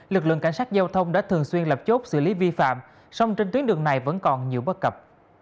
lực lượng cảnh sát giao thông đã thường xuyên lập chốt xử lý vi phạm song trên tuyến đường này vẫn còn nhiều bất cập